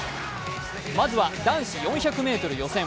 まずは男子４００ｍ予選。